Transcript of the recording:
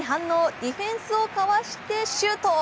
ディフェンスをかわしてシュート。